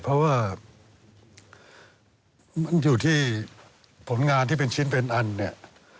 เพราะว่ามันอยู่ที่ผลงานที่เป็นชิ้นเป็นอันเนี่ย